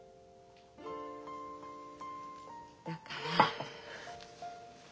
だから。